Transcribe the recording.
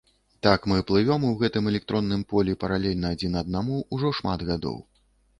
Так мы плывём у гэтым электронным полі паралельна адзін аднаму ўжо шмат гадоў.